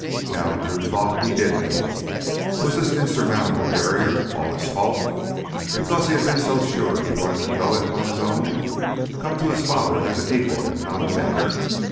Now Drew thought he did know. Was this insurmountable barrier all his fault? Because he had been so sure he wanted to go it on his own—come to his father as an equal and not a beggar?